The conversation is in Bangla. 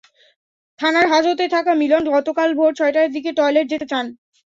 থানার হাজতে থাকা মিলন গতকাল ভোর ছয়টার দিকে টয়লেটে যেতে চান।